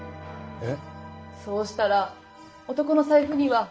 えっ。